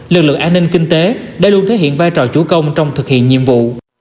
lực lượng an ninh kinh tế đã luôn thể hiện vai trò chủ công trong thực hiện nhiệm vụ